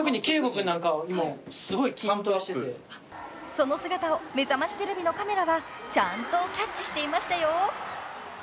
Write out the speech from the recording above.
［その姿を『めざましテレビ』のカメラはちゃんとキャッチしていましたよ］